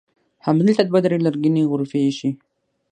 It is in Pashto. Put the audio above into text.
همدلته دوه درې لرګینې غرفې ایښي.